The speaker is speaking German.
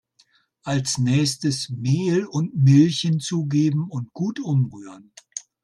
Als nächstes Mehl und Milch hinzugeben und gut umrühren.